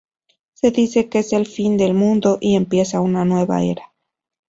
Se dice que es el fin del mundo y empieza una nueva era.